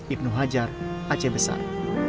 ibnu hajar aceh besar